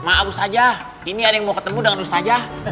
maaf ustazah ini ada yang mau ketemu dengan ustazah